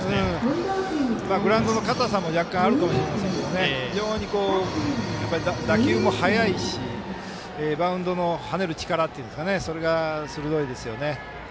グラウンドの硬さも若干あるかもしれないですが非常に打球も速いしバウンドの跳ねる力がそれが鋭いですよね。